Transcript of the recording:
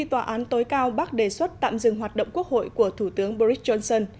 tòa án tối cao bác đề xuất tạm dừng hoạt động quốc hội của thủ tướng boris johnson